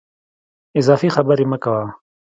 اضافي خبري مه کوه !